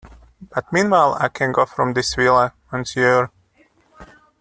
But meanwhile I can go from this villa, monsieur?